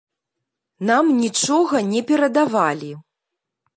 Нам нічога не перадавалі.